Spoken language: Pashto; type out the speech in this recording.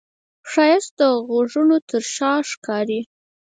ښایست د غږونو تر شا ښکاري